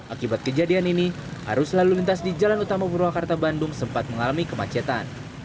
akibat kejadian ini arus lalu lintas di jalan utama purwakarta bandung sempat mengalami kemacetan